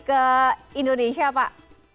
ke indonesia pak